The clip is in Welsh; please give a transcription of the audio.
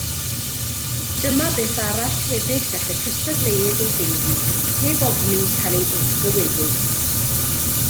Dyma beth arall hefyd gall y cystadleuydd ei haeru heb ofni cael ei wrthddywedyd.